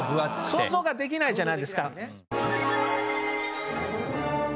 想像ができないじゃないですか。